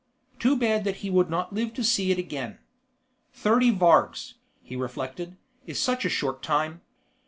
Too bad that he would not live to see it again. Thirty vargs, he reflected, is such a short time.